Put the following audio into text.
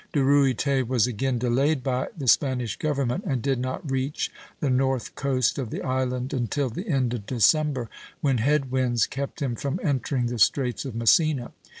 De Ruyter was again delayed by the Spanish government, and did not reach the north coast of the island until the end of December, when head winds kept him from entering the Straits of Messina.